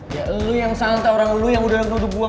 ya lo yang santai orang lo yang udah nunggu nunggu buang